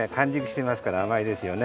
あまいですよね。